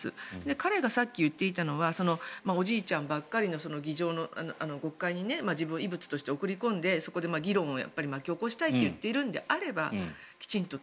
彼がさっき言っていたのはおじいちゃんばっかりの議場の国会に自分を異物として送り込んでそこで議論を巻き起こしたいと言っているのであればきちんと。